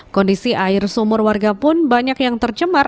kondisi air sumur warga pun banyak yang tercemar